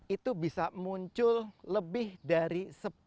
itu bisa muncul lebih dari sepuluh